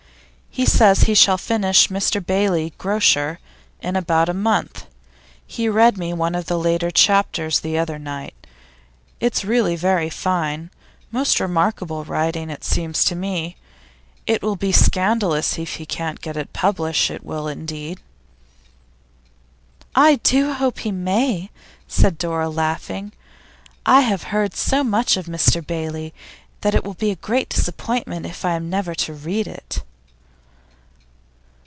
'He says he shall finish "Mr Bailey, Grocer," in about a month. He read me one of the later chapters the other night. It's really very fine; most remarkable writing, it seems to me. It will be scandalous if he can't get it published; it will, indeed.' 'I do hope he may!' said Dora, laughing. 'I have heard so much of "Mr Bailey," that it will be a great disappointment if I am never to read it.